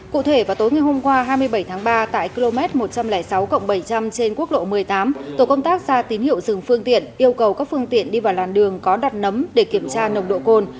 cụ thể vào tối ngày hôm qua hai mươi bảy tháng ba tại km một trăm linh sáu bảy trăm linh trên quốc lộ một mươi tám tổ công tác ra tín hiệu dừng phương tiện yêu cầu các phương tiện đi vào làn đường có đặt nấm để kiểm tra nồng độ cồn